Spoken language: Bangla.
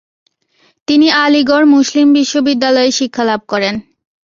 তিনি আলিগড় মুসলিম বিশ্ববিদ্যালয়ে শিক্ষালাভ করেন।